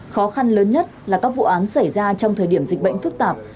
khó khăn lớn nhất là các vụ án xảy ra trong thời điểm dịch bệnh phức tạp